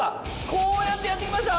こうやってやって来ました。